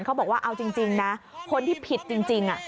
เขาบอกว่าเอาจริงนะคนที่ผิดจริง